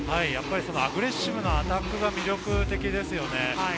アグレッシブなアタックが魅力的ですよね。